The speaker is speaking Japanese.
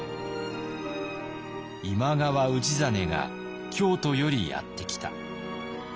「今川氏真が京都よりやって来た」。